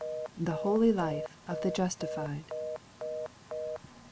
THE HOLY LIFE OF THE JUSTIFIED.